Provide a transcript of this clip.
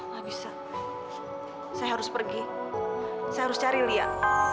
gak bisa saya harus pergi saya harus cari lia